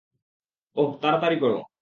ওহ, তাড়াতাড়ি করো।